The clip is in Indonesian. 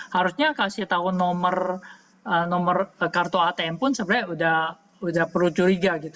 harusnya kasih tahu nomor kartu atm pun sebenarnya udah perlu curiga gitu